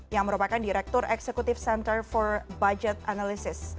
yang merupakan direktur eksekutif center for budget analysis